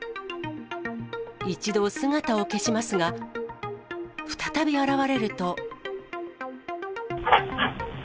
一度、姿を消しますが、再び現れると。